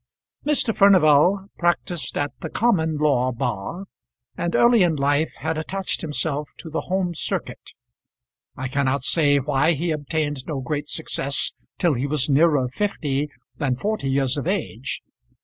Mr. Furnival practised at the common law bar, and early in life had attached himself to the home circuit. I cannot say why he obtained no great success till he was nearer fifty than forty years of age.